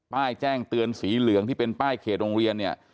แจ้งเตือนสีเหลืองที่เป็นป้ายเขตโรงเรียนเนี่ย